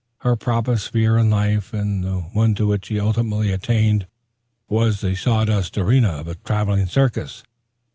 Her proper sphere in life and the one to which she ultimately attained was the saw dust arena of a travelling circus.